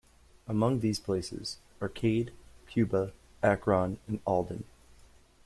Among these places: Arcade, Cuba, Akron, and Alden.